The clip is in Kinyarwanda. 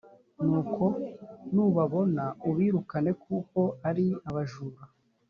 nuko nubabona ubirukane kuko ari abajura